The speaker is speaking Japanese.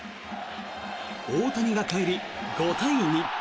大谷がかえり、５対２。